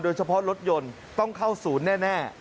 โดยเฉพาะรถยนต์ต้องเข้าศูนย์แน่